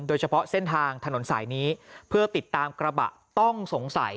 โดยเฉพาะเส้นทางถนนสายนี้เพื่อติดตามกระบะต้องสงสัย